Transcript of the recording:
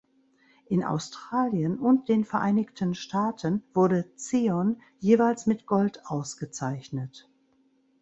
In Australien und den Vereinigten Staaten wurde "Zion" jeweils mit Gold ausgezeichnet.